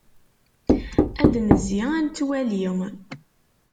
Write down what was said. Ad d-nezzi, ad nettwali.